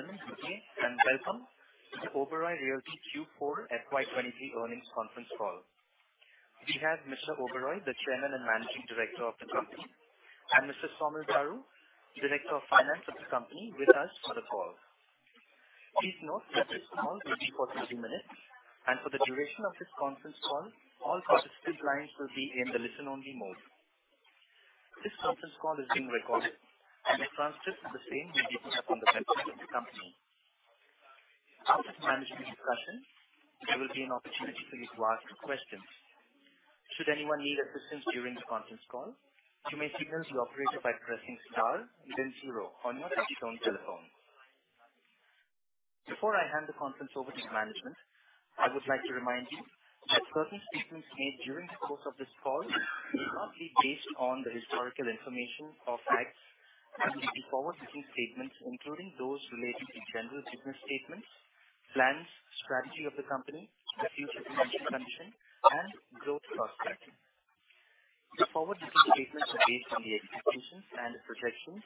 Ladies and gentlemen, good day and welcome to Oberoi Realty Q4 FY23 earnings conference call. We have Mr. Oberoi, the Chairman and Managing Director of the company, and Mr. Saumil Daru, Director of Finance of the company, with us for the call. Please note that this call will be for 60 minutes. For the duration of this conference call, all participant lines will be in the listen only mode. This conference call is being recorded. A transcript of the same will be put up on the website of the company. After the management discussion, there will be an opportunity for you to ask questions. Should anyone need assistance during the conference call, you may signal the operator by pressing star then 0 on your touchtone telephone. Before I hand the conference over to management, I would like to remind you that certain statements made during the course of this call will largely be based on the historical information or facts and will be forward-looking statements, including those relating to general business statements, plans, strategy of the company, the future financial condition and growth prospects. The forward-looking statements are based on the executions and projections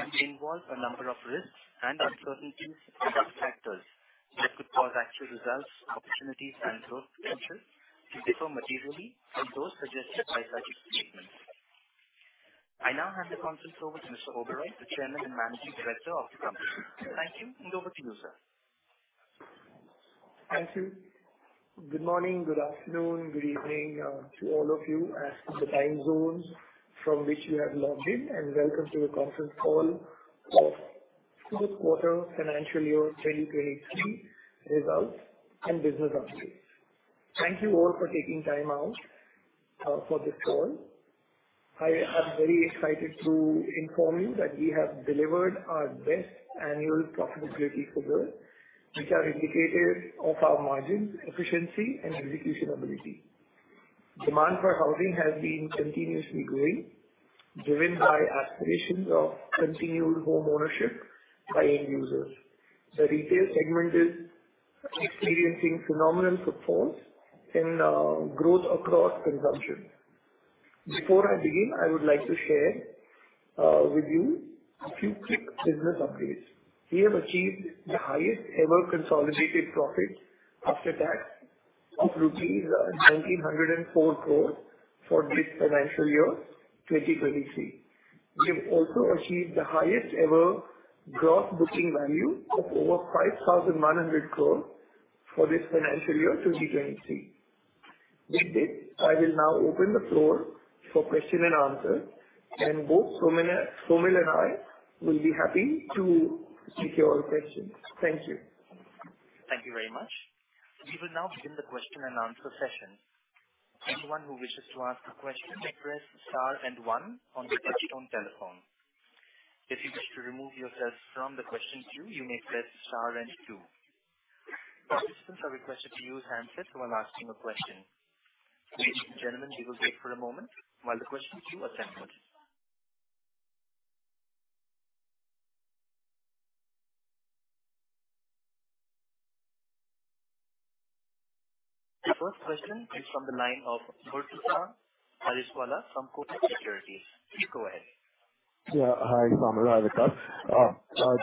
and involve a number of risks and uncertainties and risk factors that could cause actual results, opportunities and growth potential to differ materially from those suggested by such statements. I now hand the conference over to Mr. Oberoi, the Chairman and Managing Director of the company. Thank you. Over to you, sir. Thank you. Good morning, good afternoon, good evening, to all of you as per the time zones from which you have logged in. Welcome to the conference call of third quarter financial year 2023 results and business updates. Thank you all for taking time out for this call. I am very excited to inform you that we have delivered our best annual profitability figures, which are indicative of our margins, efficiency and execution ability. Demand for housing has been continuously growing, driven by aspirations of continued homeownership by end users. The retail segment is experiencing phenomenal performance in growth across consumption. Before I begin, I would like to share with you a few quick business updates. We have achieved the highest ever consolidated profit after tax of INR 1,904 crores for this financial year 2023. We have also achieved the highest ever gross booking value of over 5,900 crores for this financial year 2023. With this, I will now open the floor for question and answer and both Saumil and I will be happy to take your questions. Thank you. Thank you very much. We will now begin the question and answer session. Anyone who wishes to ask a question, press star and one on your touchtone telephone. If you wish to remove yourself from the question queue, you may press star and two. Participants are requested to use handsets while asking a question. Ladies and gentlemen, we will wait for a moment while the questions queue are sampled. The first question is from the line of Murtuza Arsiwalla from Kotak Securities. Please go ahead. Yeah. Hi, Saumil and Vikas.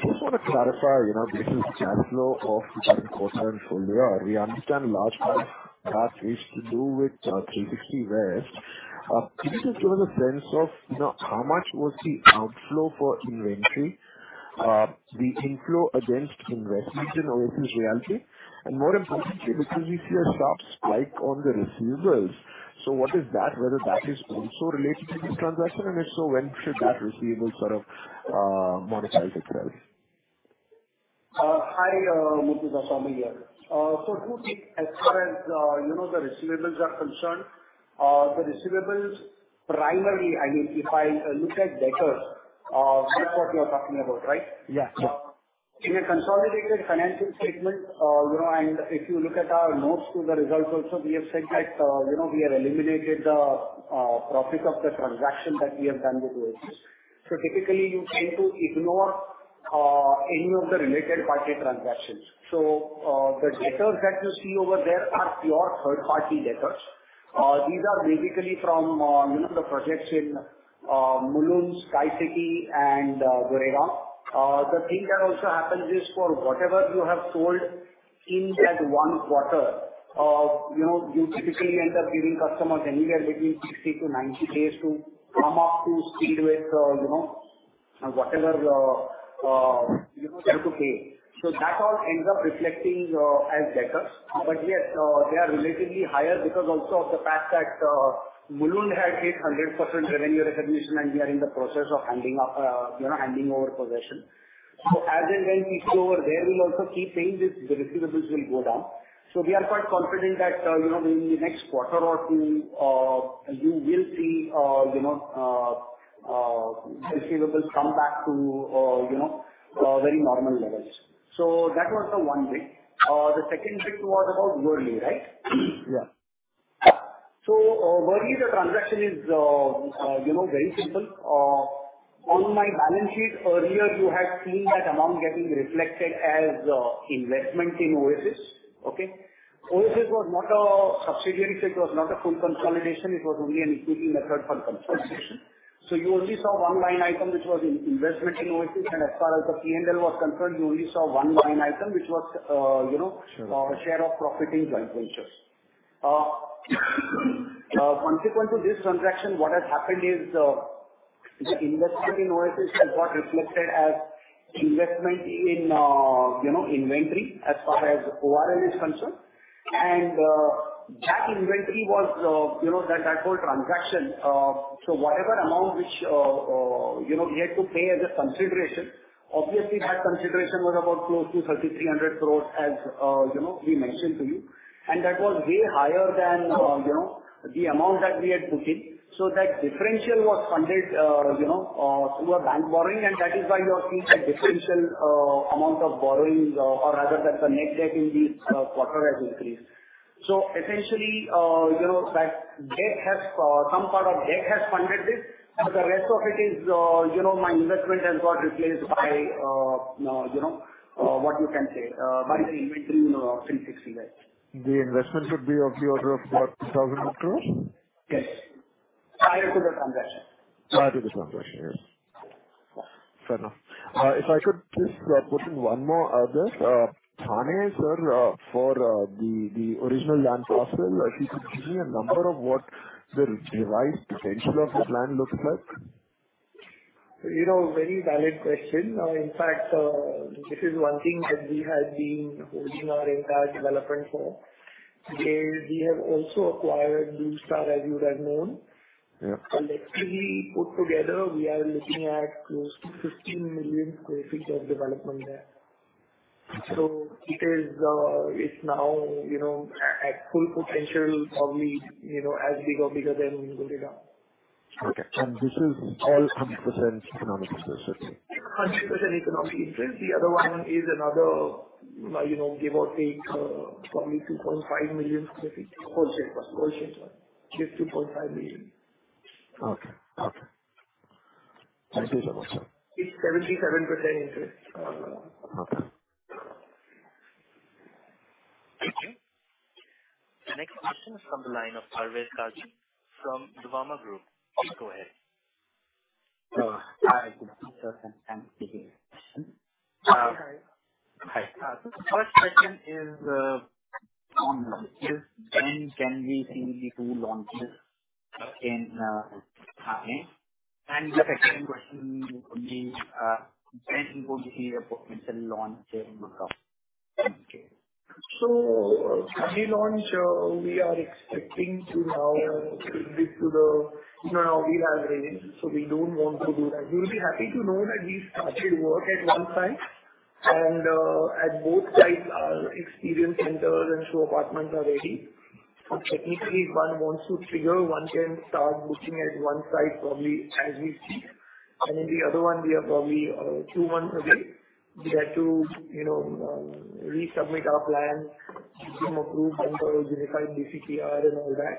Just want to clarify, you know, the cash flow of the third quarter and full year. We understand large part of that is to do with Three Sixty West. Could you just give us a sense of, you know, how much was the outflow for inventory, the inflow against investment in Oasis Realty, and more importantly, because we see a sharp spike on the receivables. What is that, whether that is also related to this transaction, and if so, when should that receivable sort of monetize itself? hi, Murtuza. Saumil here. Two things. As far as, you know, the receivables are concerned, the receivables primarily, I mean, if I look at debtors, that's what you're talking about, right? Yeah, sure. In a consolidated financial statement, you know, if you look at our notes to the results also we have said that, you know, we have eliminated the profit of the transaction that we have done with Oasis. Typically you tend to ignore any of the related party transactions. The debtors that you see over there are pure third-party debtors. These are basically from, you know, the projects in Mulund, Sky City and Goregaon. The thing that also happens is for whatever you have sold in that 1 quarter, you know, you typically end up giving customers anywhere between 60 to 90 days to come up to speed with, you know, whatever you have to pay. That all ends up reflecting as debtors. Yes, they are relatively higher because also of the fact that Mulund had hit 100% revenue recognition and we are in the process of handing off, you know, handing over possession. As and when we go over there, we'll also keep saying this, the receivables will go down. We are quite confident that, you know, in the next quarter or two, you will see, you know, receivables come back to, you know, very normal levels. That was the one bit. The second bit was about Worli, right? Yeah. Worli, the transaction is, you know, very simple. On my balance sheet earlier, you had seen that amount getting reflected as investment in Oasis. Okay? Oasis was not a subsidiary, so it was not a full consolidation. It was only an equity method for consolidation. You only saw one line item, which was in investment in Oasis. As far as the PNL was concerned, you only saw one line item, which was, you know. Sure. our share of profit in joint ventures. Consequence of this transaction, what has happened is, the investment in Oasis has got reflected as investment in, you know, inventory as far as ORL is concerned. That inventory was, you know, that whole transaction, so whatever amount which, you know, we had to pay as a consideration, obviously that consideration was about close to 3,300 crores as, you know, we mentioned to you. That was way higher than, you know, the amount that we had put in. That differential was funded, you know, through a bank borrowing. That is why you are seeing the differential amount of borrowings or rather than the net debt in this quarter has increased. Essentially, you know, that debt has, some part of debt has funded this. The rest of it is, you know, my investment has got replaced by, you know, what you can say, by the inventory in Six Senses. The investment would be of the order of what, 2,000 crores? Yes. Prior to the transaction. Prior to the transaction. Yes. Fair enough. if I could just, put in one more, just, Thane, sir, for the original land parcel, if you could give me a number of what the revised potential of the land looks like. You know, very valid question. In fact, this is one thing that we had been holding our entire development for. We have also acquired Blue Star, as you would have known. Yeah. Collectively put together, we are looking at close to 15 million square feet of development there. It is, it's now, you know, at full potential, probably, you know, as big or bigger than Gulmohar. Okay. This is all 100% economic interest, okay. 100% economic interest. The other one is another, you know, give or take, probably 2.5 million sq ft. Okay. Okay. Thank you so much, sir. It's 77% interest. Okay. Thank you. The next question is from the line of Parvez Qazi from Nuvama Group. Please go ahead. Hi. Thank you. Hi. Hi. The first question is on this. When can we see the two launches in Thane? The second question would be, when would the appointments and launch in Gulmohar? Pre-launch, we are expecting to now, due to the, you know, we have rains, we don't want to do that. You'll be happy to know that we started work at one site and at both sites our experience centers and show apartments are ready. Technically if one wants to trigger, one can start booking at one site probably as we speak. The other one we are probably two months away. We had to, you know, resubmit our plans, get them approved, incorporate the CTIR and all that.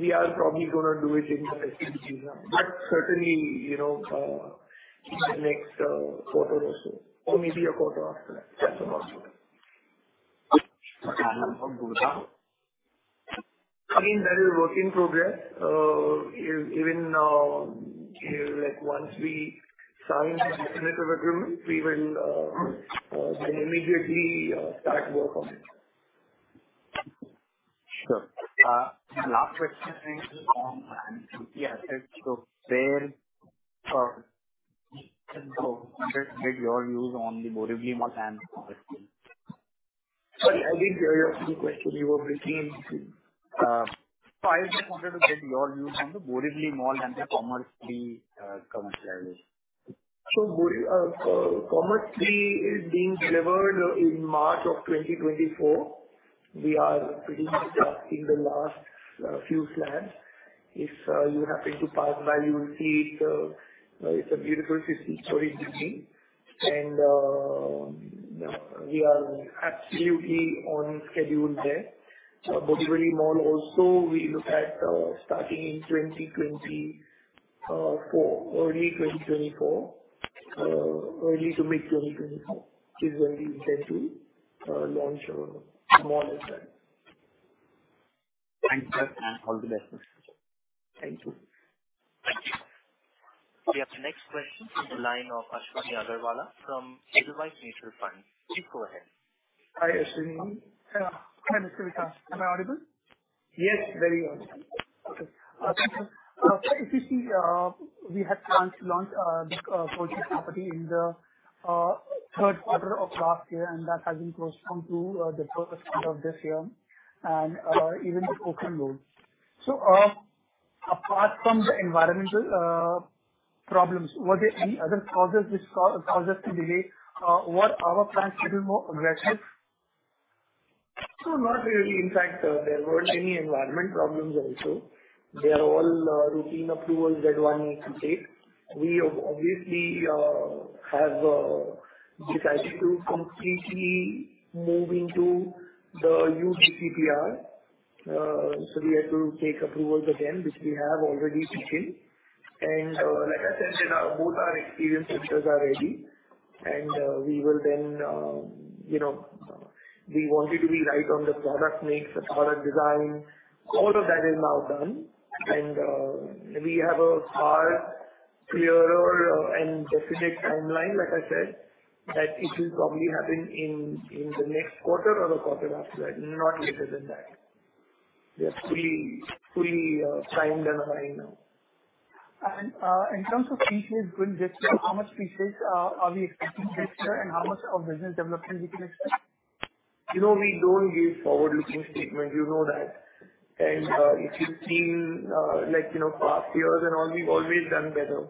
We are probably gonna do it in the next few months. Certainly, you know, in the next quarter or so or maybe a quarter after that. That's the most we can. Okay. Gulmohar? I mean, that is work in progress. Even, you know, like once we sign the definitive agreement, we will immediately start work on it. Sure. My last question is on the asset. Sorry. Just get your views on the Borivali Mall and the Commerz III. Sorry, I didn't hear your previous question. You were breaking. I just wanted to get your views on the Borivali Mall and the Commerz III, commercial avenue. Commerz III is being delivered in March 2024. We are pretty much plucking the last few slabs. If you happen to pass by, you will see it's a beautiful 16-story building. We are absolutely on schedule there. Borivali Mall also we look at starting in 2024. Early 2024. Early to mid 2024 is when we intend to launch our mall as well. Thanks for that and all the best for it. Thank you. Thank you. We have the next question from the line of Ashwani Agarwalla from Edelweiss Mutual Fund. Please go ahead. Hi, Ashwani. Hi, Mr. Vikas. Am I audible? Yes, very well. Okay.Thank you. If you see, we had planned to launch the Fortune property in the third quarter of last year, and that has been postponed to the first quarter of this year and even with open loans. Apart from the environmental problems, were there any other causes which causes the delay? Were our plans little more aggressive? Not really. In fact, there weren't any environment problems also. They are all routine approvals that one needs to take. We obviously have decided to completely move into the new DCR. We had to take approvals again, which we have already taken. Like I said, you know, both our experience centers are ready. We will then, you know, we wanted to be right on the product mix, the product design. All of that is now done. We have a hard-Clearer and definite timeline, like I said, that it will probably happen in the next quarter or the quarter after that, not later than that. We are fully primed and aligned now. In terms of pre-sales going this year, how much pre-sales are we expecting this year and how much of business development we can expect? You know, we don't give forward-looking statement, you know that. If you've seen, like, you know, past years and all, we've always done better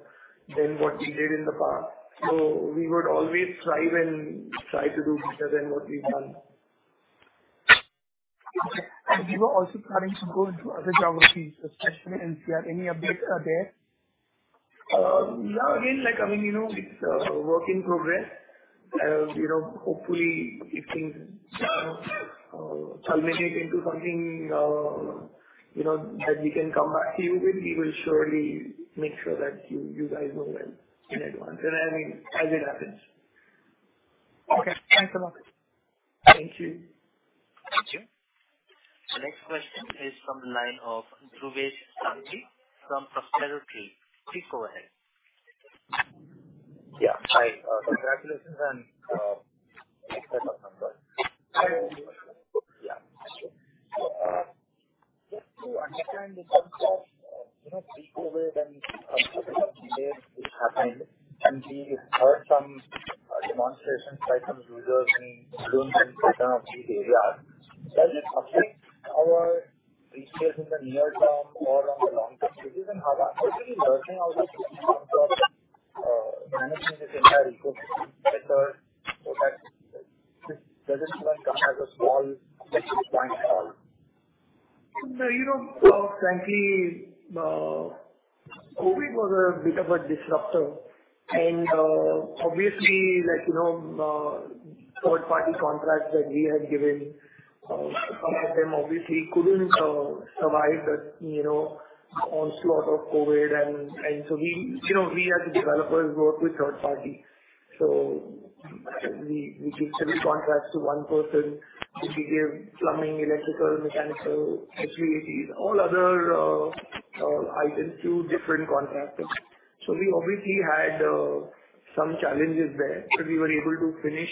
than what we did in the past. We would always thrive and try to do better than what we've done. You were also planning to go into other geographies, especially NCR. Any updates are there? No. Again, like, I mean, you know, it's a work in progress. You know, hopefully it can, you know, culminate into something, you know, that we can come back to you with. We will surely make sure that you guys know well in advance. I mean, as it happens. Okay. Thanks a lot. Thank you. Thank you. The next question is from the line of Dhruvesh Anil Sanghvi from Prospero Tree. Please go ahead. Yeah. Hi. Congratulations on excellent numbers. Thank you. Yeah. Just to understand in terms of, you know, pre-COVID when a couple of delays did happen and we heard some demonstrations by some users in Gurgaon and certain other areas. Does it affect our pre-sales in the near term or on the long term? This is an opportunity learning also in terms of managing this entire ecosystem better so that this doesn't even come as a small checklist point at all. No. You know, frankly, COVID was a bit of a disruptor. Obviously, like, you know, third-party contracts that we had given, some of them obviously couldn't survive the, you know, onslaught of COVID. We, you know, we as a developer work with third party. We give civil contracts to one person. We give plumbing, electrical, mechanical, utilities, all other items to different contractors. We obviously had some challenges there, but we were able to finish,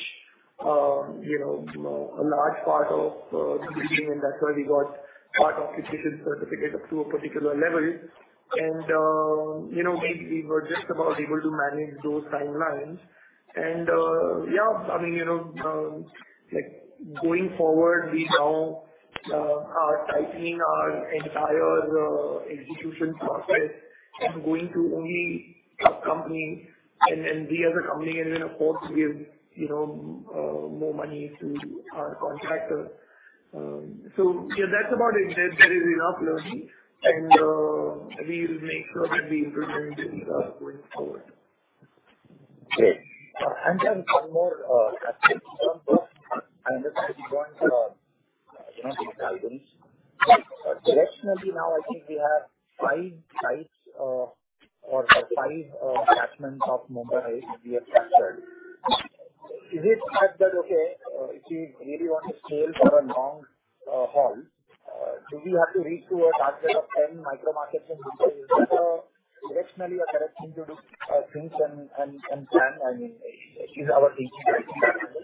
you know, a large part of the building, and that's why we got part Occupation Certificate up to a particular level. You know, we were just about able to manage those timelines and, yeah. I mean, you know, like, going forward, we now are tightening our entire execution process and going to only a company and we as a company are even afford to give, you know, more money to our contractor. Yeah, that's about it. There is enough learning and we will make sure that we improve on this going forward. Great. One more topic. In terms of understanding you want, you know, these albums. Directionally now I think we have 5 sites or 5 catchments of Mumbai we have captured. Is it fair to say that, okay, if we really want to scale for a long haul, do we have to reach to a target of 10 micro markets in Mumbai? Is that directionally or correctly to do things and plan, I mean, is our teaching right? Sorry.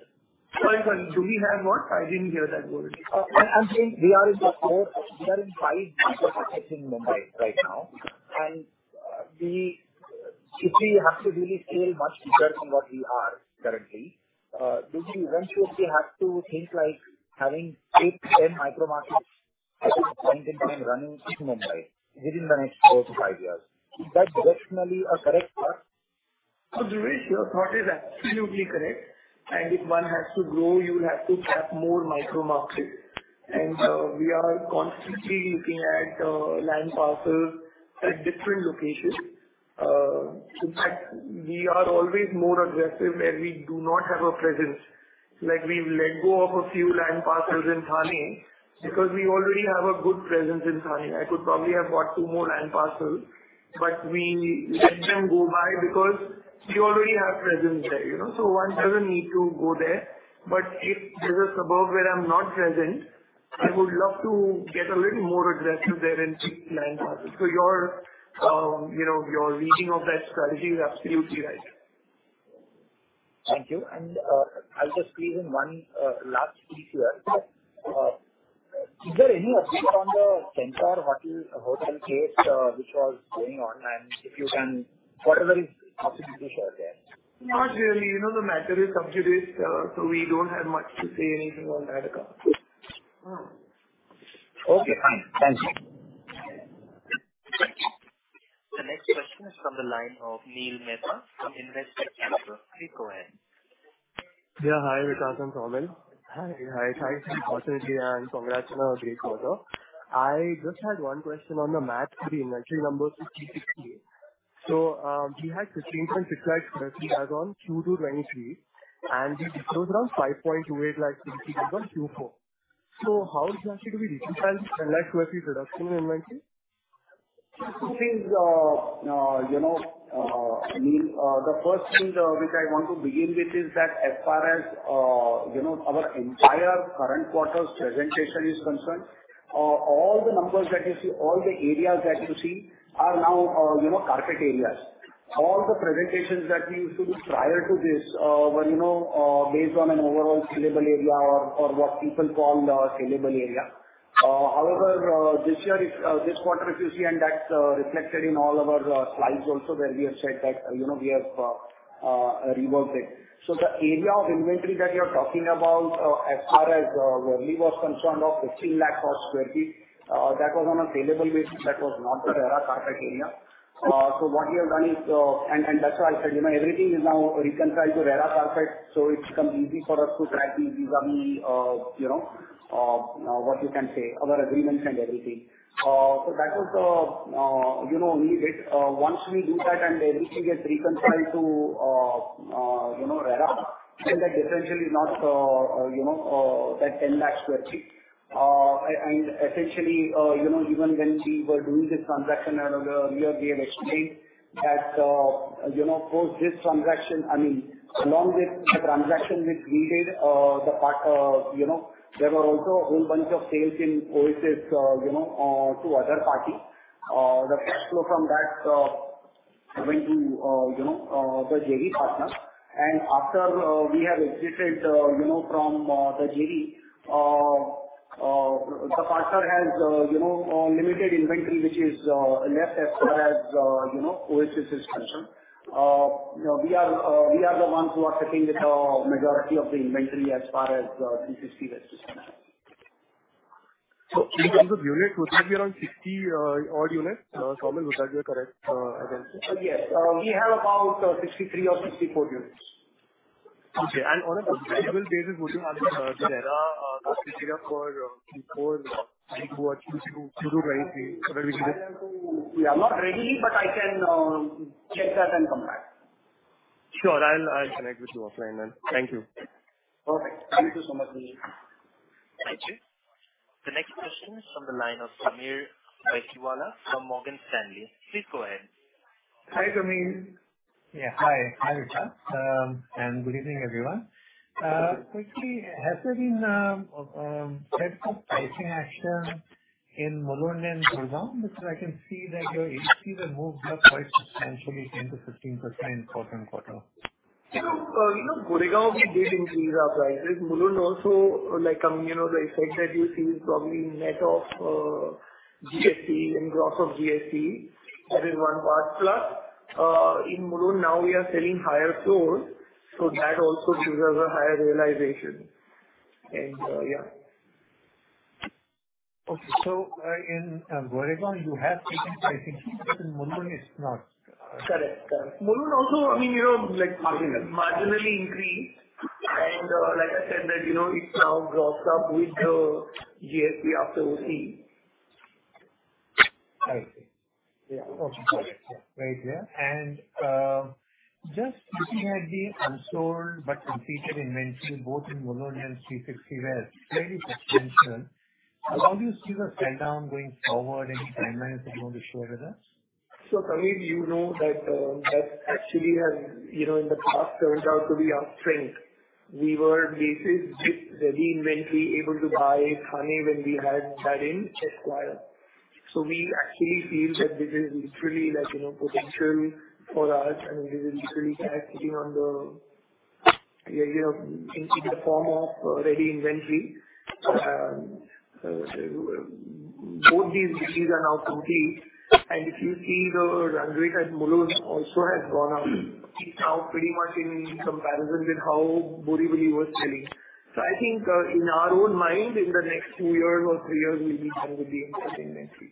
Do we have what? I didn't hear that word. I'm saying we are in 5 micro markets in Mumbai right now. We, if we have to really scale much bigger than what we are currently, do we eventually have to think like having 8, 10 micro markets at a point in time running in Mumbai within the next 4-5 years? Is that directionally a correct path? No, Dhruvesh, your thought is absolutely correct. If one has to grow, you'll have to tap more micro markets. We are constantly looking at land parcels at different locations. In fact, we are always more aggressive where we do not have a presence. Like, we've let go of a few land parcels in Thane because we already have a good presence in Thane. I could probably have bought two more land parcels, but we let them go by because we already have presence there, you know. One doesn't need to go there. If there's a suburb where I'm not present, I would love to get a little more aggressive there and pick land parcels. Your, you know, your reading of that strategy is absolutely right. Thank you. I'll just squeeze in one last quick here. Is there any update on the Centaur Hotel case which was going on? If you can, whatever is possible to share there. Not really. You know, the matter is sub judice, so we don't have much to say anything on that account. Okay, fine. Thanks. The next question is from the line of Neel Mehta from Investor Camp. Please go ahead. Yeah. Hi, Vikas Hi. Hi. Nice to talk to you again. Congrats on a great quarter. I just had one question on the math three inventory number 66 here. We had 15.6 lakh sq ft add-on Q2 2023, and we disclosed around 5.28 lakh sq ft add-on Q4. How exactly do we reconcile this 10 lakh sq ft reduction in inventory? It is, you know, I mean, the first thing which I want to begin with is that as far as, you know, our entire current quarter's presentation is concerned, all the numbers that you see, all the areas that you see are now, you know, carpet areas. All the presentations that we used to do prior to this, were, you know, based on an overall saleable area or what people called our saleable area. However, this year is, this quarter if you see, and that's reflected in all of our slides also where we have said that, you know, we have reworked it. So the area of inventory that you're talking about, as far as Worli was concerned of 15 lakh cost square feet, that was on a saleable basis. That was not the RERA carpet area. What we have done is. That's why I said, you know, everything is now reconciled to RERA carpet, so it becomes easy for us to track these, you know, what you can say, our agreements and everything. That was, you know, only this. Once we do that and everything gets reconciled to RERA, then that difference will be not, you know, that 10 lakh square feet. Essentially, you know, even when we were doing this transaction earlier, we have explained that, you know, post this transaction, I mean, along with the transaction which we did, the part, you know, there were also a whole bunch of sales in Oasis, you know, to other party. The cash flow from that went to, you know, the JV partner. After we have exited, you know, from the JV, the partner has, you know, limited inventory which is less as far as, you know, Oasis is concerned. We are the ones who are sitting with the majority of the inventory as far as Three Sixty West is concerned. In terms of units, would that be around 60 odd units? Saurabh, would that be a correct assumption? Yes. We have about 63 or 64 units. Okay. On a saleable basis, would you have the RERA criteria for Three Four or Three Two or Three Zero, Goregaon. We are not ready, but I can check that and come back. Sure. I'll connect with your friend then. Thank you. Perfect. Thank you so much Thank you. The next question is from the line of Samir from Morgan Stanley. Please go ahead. Hi, Samir. Yeah. Hi. Hi,. Good evening, everyone. Quickly, has there been types of pricing action in Mulund and Goregaon? Because I can see that your ACUs have moved up quite substantially, 10%-15% quarter-on-quarter. You know, you know, Goregaon, we did increase our prices. Mulund also, like, you know, the effect that you see is probably net of GST and gross of GST. That is one part. Plus, in Mulund now we are selling higher floors, so that also gives us a higher realization. Yeah. Okay. In Goregaon you have taken pricing but in Mulund it's not. Correct. Correct. Mulund also, I mean, you know, like. Marginally. marginally increased. Like I said that, you know, it now drops up with the GST after OC. I see. Yeah. Okay. Got it. Yeah. Right. Yeah. Just looking at the unsold but completed inventory both in Mulund and Three Sixty West, fairly substantial. How long do you see the sell down going forward? Any timelines that you want to share with us? Samir, you know that actually has, you know, in the past turned out to be our strength. We were basis the ready inventory able to buy Thane when we had that in Esquire. We actually feel that this is literally like, you know, potential for us, and this is literally cash sitting on the, you know, in the form of ready inventory. Both these cities are now complete. If you see the run rate at Mulund also has gone up. It's now pretty much in comparison with how Borivali was selling. I think, in our own mind, in the next 2 years or 3 years we'll be done with the inventory.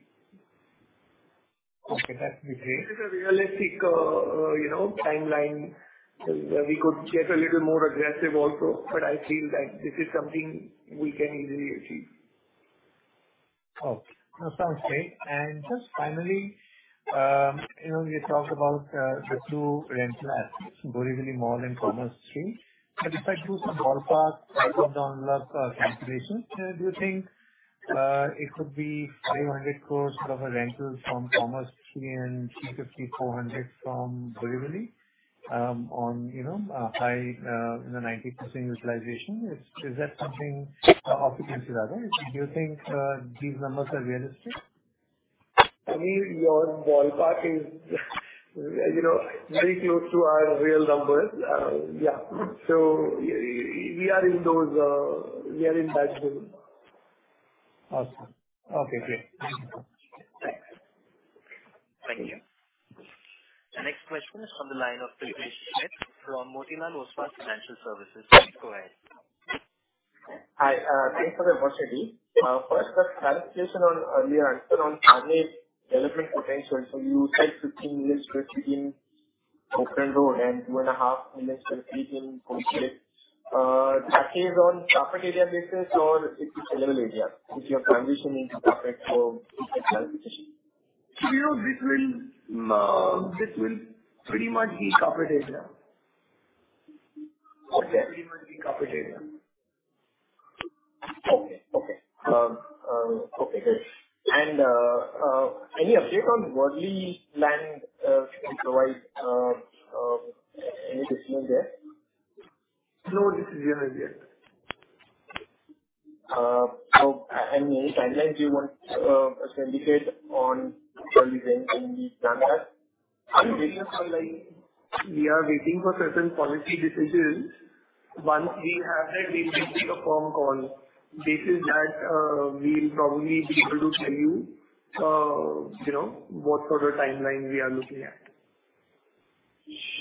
Okay. That's great. This is a realistic, you know, timeline. We could get a little more aggressive also, but I feel that this is something we can easily achieve. Okay. That sounds great. Just finally, you know, we had talked about the two rental assets, Borivali Mall and Commerz. If I do some ballpark type of download calculations, do you think it could be 500 crore of a rental from Commerz and 350-400 from Borivali Mall on, you know, a high, you know, 90% utilization? Is that something off you can share that? Do you think these numbers are realistic? Samir, your ballpark is, you know, very close to our real numbers. Yeah. We are in those, we are in that zone. Awesome. Okay, great. Thank you. Thanks. Thank you. The next question is from the line of Priyesh Shah from Motilal Oswal Financial Services. Go ahead. Hi. Thanks for the opportunity. First a clarification on earlier answer on Thane development potential. You said 15 million square feet in Pokhran Road and two and a half million square feet in Kolshet. That is on carpet area basis or it is saleable area? If you are transitioning to carpet for future calculations. you know, this will pretty much be carpet area. Okay. This will pretty much be carpet area. Okay. Okay. Okay, great. Any update on Worli land, if you can provide, any decision there? No decisions as yet. Any timeline do you want to syndicate on 12% and you've done that? Are you waiting for We are waiting for certain policy decisions. Once we have that, we can take a firm call. Based on that, we'll probably be able to tell you know, what sort of timeline we are looking at.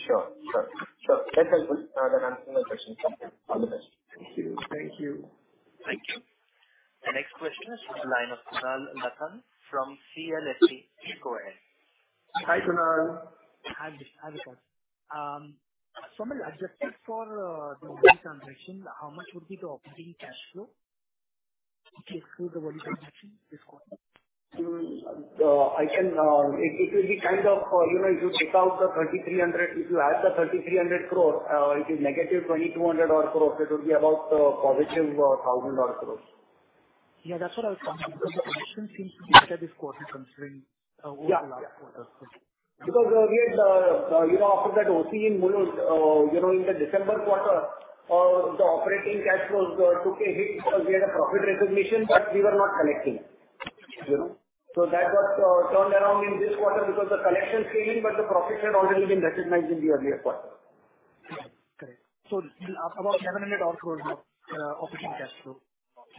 Sure. That's helpful. That answered my question. Thank you. All the best. Thank you. Thank you. Thank you. The next question is from the line of Kunal Lakhan from CLSA. Please go ahead. Hi, Kunal. Hi, Vikas. Adjusted for the one-time action, how much would be the operating cash flow if you exclude the one-time action this quarter? It will be kind of, you know, if you take out the 3,300, if you add the 3,300 crores, it is negative 2,200 odd crores. It will be about positive 1,000 odd crores. Yeah, that's what I was coming, because the collection seems to be better this quarter considering over the last quarter. Yeah. We had, you know, after that OC in Mulund, you know, in the December quarter, the operating cash flows took a hit because we had a profit recognition, but we were not collecting, you know. That got turned around in this quarter because the collections came in, but the profit had already been recognized in the earlier quarter. Yeah. Correct. About 700 odd crores of operating cash flow.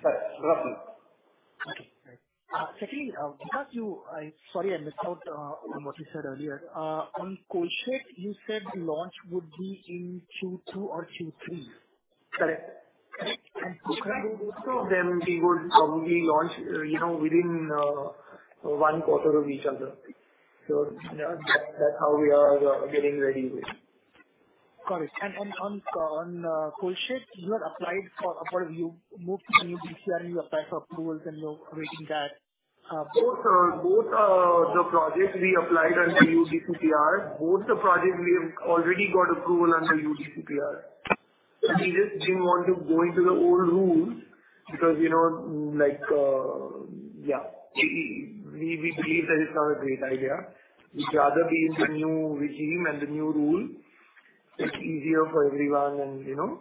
Yes. Roughly. Okay. Great. Secondly, I'm sorry, I missed out on what you said earlier. On Kolshet, you said the launch would be in Q2 or Q3. Correct. Both of them we would probably launch, you know, within 1 quarter of each other. That's how we are getting ready with. Got it. On Kolshet, you had applied for approval. You moved to UDCPR and you applied for approvals and you're awaiting that. Both the projects we applied under UDCPR. Both the projects we have already got approval under UDCPR. We just didn't want to go into the old rules because, you know, like, we believe that it's not a great idea. We'd rather be in the new regime and the new rule. It's easier for everyone, you know.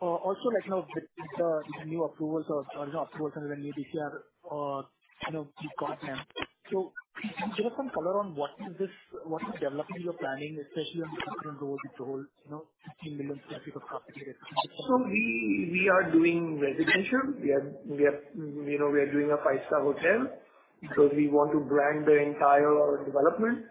Also like now with the new approvals or, you know, approvals under the UDCPR, you know, you've got now. Can you give some color on what is this, what is development you're planning, especially on the Pokhran Road with the whole, you know, 15 million sq ft of We are doing residential. We are, you know, we are doing a five-star hotel because we want to brand the entire development.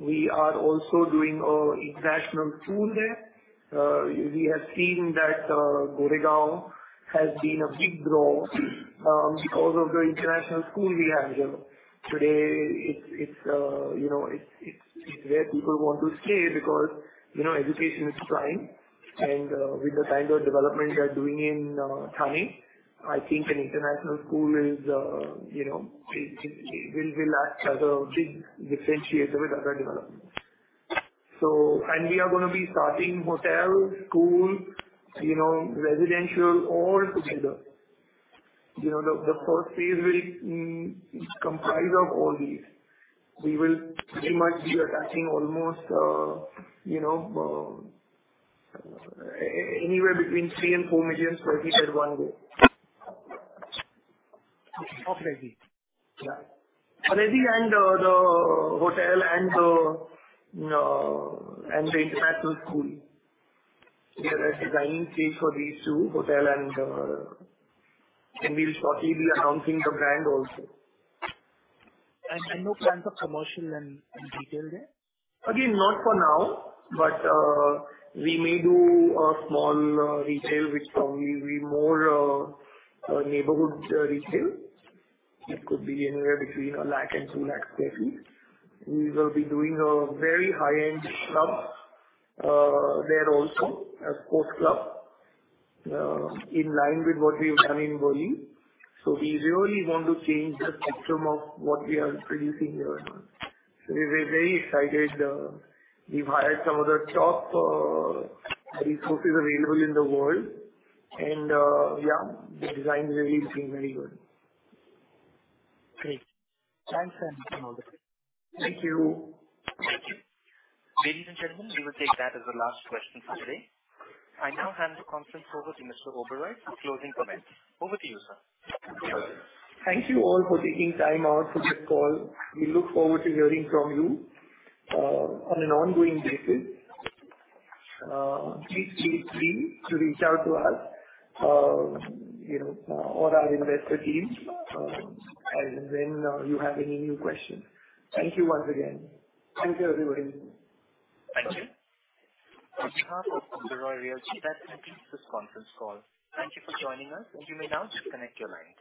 We are also doing an international school there. We have seen that Goregaon has been a big draw because of the international school we have, you know. Today it's, you know, it's where people want to stay because, you know, education is prime and with the kind of development we are doing in Thane, I think an international school is, you know, it will be last, the big differentiator with other developments. We are gonna be starting hotel, school, you know, residential, all together. You know, the first phase will comprise of all these. We will pretty much be attaching almost, you know, anywhere between 3 million and 4 million ready at one go. Of ready? Yeah. Ready and, the hotel and the international school. We are at design stage for these two. We'll shortly be announcing the brand also. No plans of commercial and retail there? Not for now, but, we may do a small, retail which probably will be more, a neighborhood, retail. It could be anywhere between 1 lakh and 2 lakh sq ft. We will be doing a very high-end club, there also, a sports club, in line with what we've done in Borivali. We really want to change the spectrum of what we are producing here. We're very excited. We've hired some of the top, resources available in the world and, yeah, the design is really looking very good. Great. Thanks, Vikas. Thank you. Thank you. Ladies and gentlemen, we will take that as the last question for today. I now hand the conference over to Mr. Oberoi for closing comments. Over to you, sir. Thank you all for taking time out for this call. We look forward to hearing from you on an ongoing basis. Please feel free to reach out to us, you know, or our investor teams, and when you have any new questions. Thank you once again. Thank you, everybody. Thank you. On behalf of Oberoi Realty, that concludes this conference call. Thank you for joining us, and you may now disconnect your line.